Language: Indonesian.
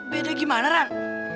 beda gimana ran